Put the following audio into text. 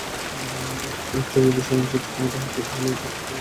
ওটা যদি সাধারণ কোনো ক্ষমতা হতো, সে ওটা সাময়িকভাবে হারাতো।